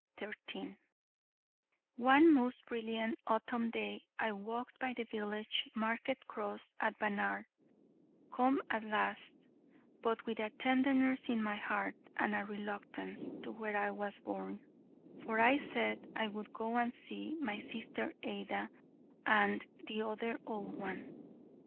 One most brilliant Autumn day I walked by the village market cross at Barnard, come at last, but with a tenderness in my heart, and a reluctance, to where I was born; for I said I would go and see my sister Ada, and the other old one.